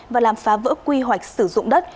và làm phá vỡ quy hoạch sử dụng đất